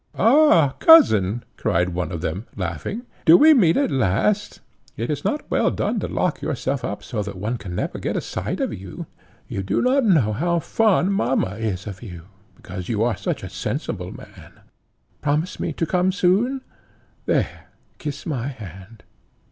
"Ah, cousin!" cried one of them, laughing, "do we meet you at last? It is not well done to lock yourself up so that one can never get a sight of you. You do not know how fond mamma is of you, because you are such a sensible man. Promise me to come soon. There, kiss my hand."